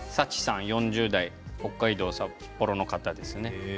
４０代、北海道・札幌の方ですね。